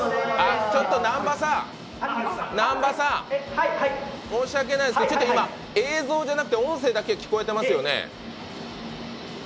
ちょっと南波さん、申し訳ないんですけど映像じゃなくて、音声だけ聞こえてますよね。